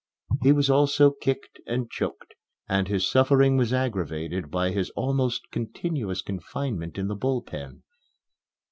He was also kicked and choked, and his suffering was aggravated by his almost continuous confinement in the Bull Pen.